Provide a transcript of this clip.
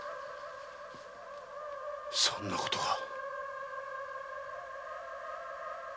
そんなことが。